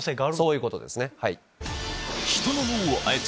そういうことですね。